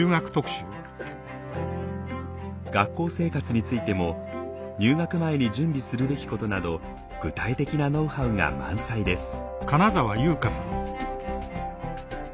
学校生活についても入学前に準備するべきことなど具体的なノウハウが満載です。